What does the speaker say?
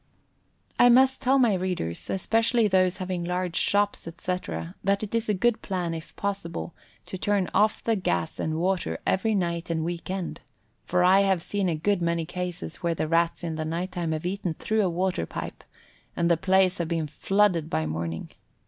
I must tell my readers, especially those having large shops, etc., that it is a good plan, if possible, to turn off the gas and water every night and week end, for I have seen a good many cases where the Rats in the night time have eaten through a water pipe, and the place has been flooded by morning.